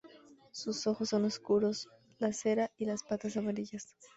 Sus ojos son oscuros, la cera y las patas amarillas.